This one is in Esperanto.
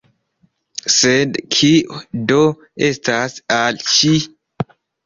Sed kio do estas al ŝi?